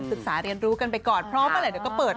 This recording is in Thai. ศึกษาเรียนรู้กันไปก่อนเพราะว่าเมื่อไหร่เดี๋ยวก็เปิด